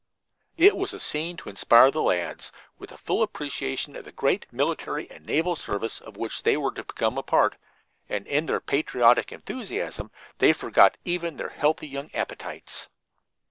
It was a scene to inspire the lads with a full appreciation of the great military and naval service of which they were to become a part, and in their patriotic enthusiasm they forgot even their healthy young appetites.